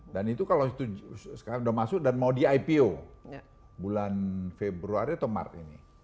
dan itu kalau itu sekarang sudah masuk dan mau di ipo bulan februari atau maret ini